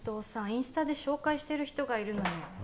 インスタで紹介してる人がいるのよ